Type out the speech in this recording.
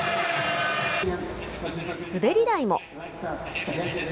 滑り台も。